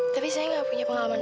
tapi saya gak punya pengalaman